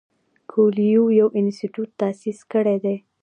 کویلیو یو انسټیټیوټ تاسیس کړی دی.